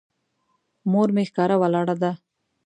مور مې ښکاره ولاړه ده.